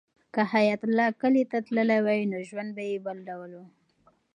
که حیات الله کلي ته تللی وای نو ژوند به یې بل ډول و.